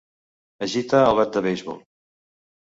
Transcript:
Agita el bat de beisbol.